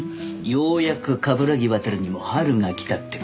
ようやく冠城亘にも春が来たって事ですかねえ？